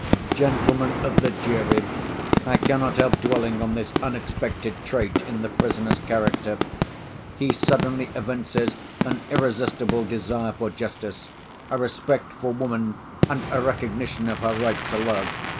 "Gentlemen of the jury, I cannot help dwelling on this unexpected trait in the prisoner's character. He suddenly evinces an irresistible desire for justice, a respect for woman and a recognition of her right to love.